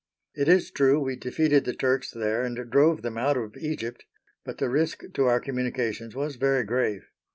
It is true we defeated the Turks there and drove them out of Egypt, but the risk to our communications was very grave.